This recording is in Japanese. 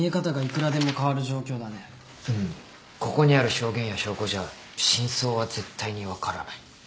ここにある証言や証拠じゃ真相は絶対に分からない。